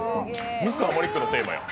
Ｍｒ．マリックのテーマや。